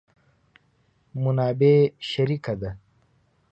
منابع شریکه ده.